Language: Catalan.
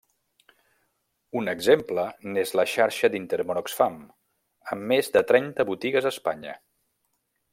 Un exemple n'és la xarxa d'Intermón Oxfam, amb més de trenta botigues a Espanya.